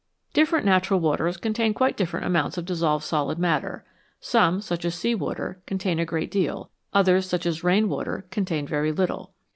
Different natural waters contain quite different amounts of dissolved solid matter. Some, such as sea water, con tain a great deal ; others, such as rain water, contain very little.